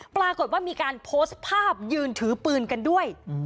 ปรากฏว่ามีการโพสต์ภาพยืนถือปืนกันด้วย